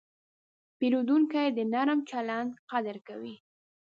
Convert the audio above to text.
پیرودونکی د نرم چلند قدر کوي.